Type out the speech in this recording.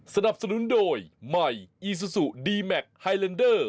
สเทล